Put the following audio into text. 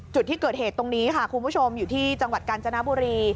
จุดที่เกิดเหตุตรงนี้ค่ะคุณผู้ชมอยู่ที่จังหวัดกาญจนบุรี